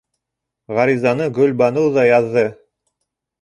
Ғаризаны Гөлбаныу ҙа яҙҙы.